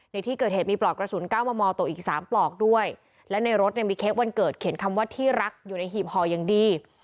ในที่เกิดเหตุมีปลอกกระสุนเก้ามอมอตกอีกสามปลอกด้วยและในรถเนี่ยมีเค้กวันเกิดเขียนคำว่าที่รักอยู่ในหีบห่ออย่างดี